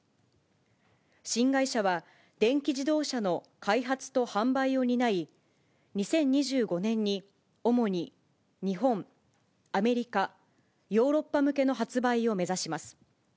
新会社は、電気自動車の開発と販売を担い、２０２５年に主に日本、アメリカ、ヨーロッパ向けの発売を目指します。